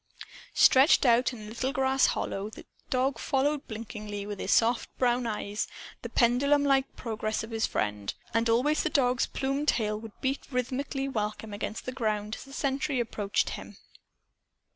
Stretched out, in a little grass hollow, the dog followed blinkingly with his soft brown eyes the pendulumlike progress of his friend. And always the dog's plumed tail would beat rhythmic welcome against the ground as the sentry approached him.